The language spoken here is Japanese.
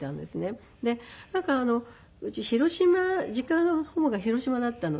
でなんかうち広島実家の方が広島だったので。